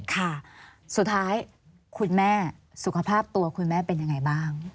ค่ะสุดท้ายคุณแม่สุขภาพตัวคุณแม่เป็นยังไงบ้าง